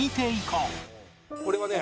これはね